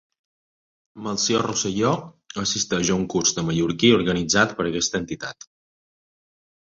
Melcior Rosselló assisteix a un curs de mallorquí organitzat per aquesta entitat.